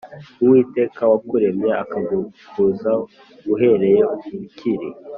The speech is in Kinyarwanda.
Uwiteka wakuremye akagukuza uhereye ukiri